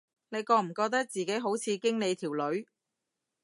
你覺唔覺得自己好似經理條女